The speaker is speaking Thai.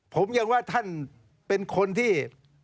ผมยังว่าท่านเป็นคนที่